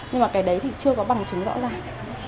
nhưng mà cái đấy thì chưa có bằng chứng rõ ràng